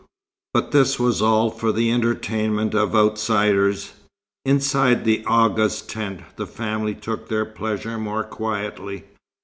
But this was all for the entertainment of outsiders. Inside the Agha's tent, the family took their pleasure more quietly.